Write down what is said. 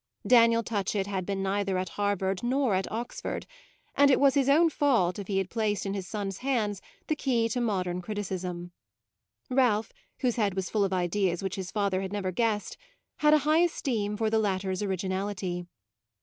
Daniel Touchett had been neither at Harvard nor at Oxford, and it was his own fault if he had placed in his son's hands the key to modern criticism. Ralph, whose head was full of ideas which his father had never guessed, had a high esteem for the latter's originality.